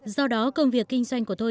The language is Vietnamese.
do đó công việc kinh doanh của tôi